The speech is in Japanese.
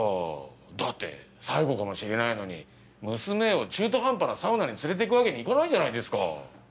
だって最後かもしれないのに娘を中途半端なサウナに連れていくわけにいかないじゃないですか。